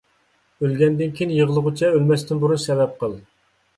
ئۆلگەندىن كىيىن يىغلىغۇچە، ئۆلمەستىن بۇرۇن سەۋەب قىل.